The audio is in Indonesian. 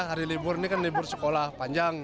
hari libur ini kan libur sekolah panjang